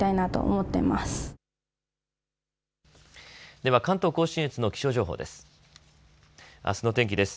では関東甲信越の気象情報です。